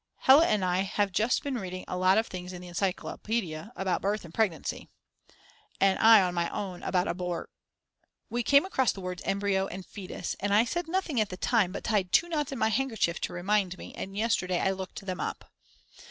Hella and I have just been reading a lot of things in the encycl., about Birth and Pregnancy, and I on my own about abor ; we came across the words Embyro and Foetus, and I said nothing at the time but tied 2 knots in my handkerchief to remind me, and yesterday I looked them up.